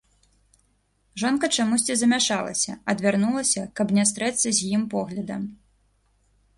Жонка чамусьці замяшалася, адвярнулася, каб не стрэцца з ім поглядам.